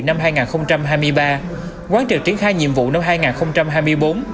năm hai nghìn hai mươi ba quán triệt triển khai nhiệm vụ năm hai nghìn hai mươi bốn